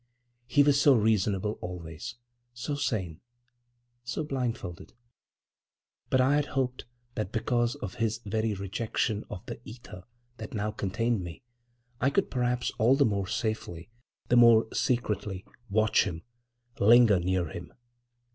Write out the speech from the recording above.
He was so reasonable always, so sane—so blindfolded. But I had hoped that because of his very rejection of the ether that now contained me I could perhaps all the more safely, the more secretly, watch him, linger near him.